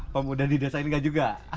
pemuda di desa ini enggak juga